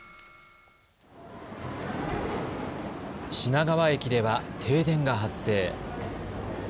品川駅では停電が発生。